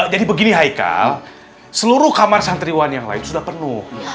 jadi begini hai kal seluruh kamar santri yang lain sudah penuh